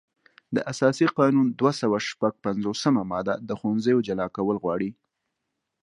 د اساسي قانون دوه سوه شپږ پنځوسمه ماده د ښوونځیو جلا کول غواړي.